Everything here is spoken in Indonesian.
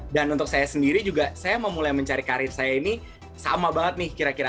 dan untuk saya sendiri juga saya memulai mencari karir saya ini sama banget nih kira kira